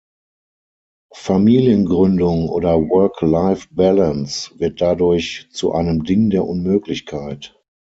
Familiengründung oder Work-Life-Balance wird dadurch zu einem Ding der Unmöglichkeit.